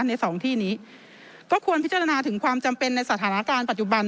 ในสองที่นี้ก็ควรพิจารณาถึงความจำเป็นในสถานการณ์ปัจจุบัน